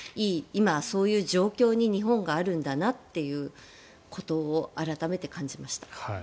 今、そういう状況に日本があるんだなということを改めて感じました。